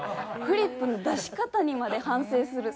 フリップの出し方にまで反省する。